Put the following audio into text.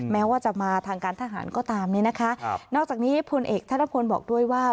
แม้ว่าจะมาทางการทหารก็ตามนี้นะคะนอกจากนี้พลเอกธนพลบอกด้วยว่า